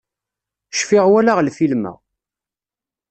Cfiɣ walaɣ lfilm-a